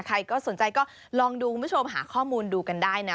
ใครก็สนใจก็ลองดูคุณผู้ชมหาข้อมูลดูกันได้นะ